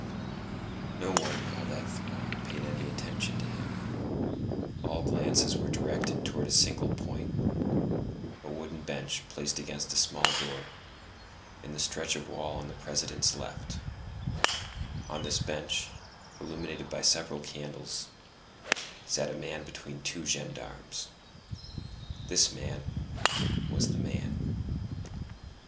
No one in all that throng paid any attention to him; all glances were directed towards a single point, a wooden bench placed against a small door, in the stretch of wall on the President's left; on this bench, illuminated by several candles, sat a man between two gendarmes. This man was the man.